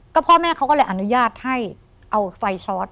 พ่อแม่เขาก็เลยอนุญาตให้เอาไฟชอต